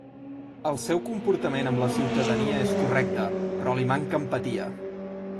El seu comportament amb la ciutadania és correcte però li manca empatia.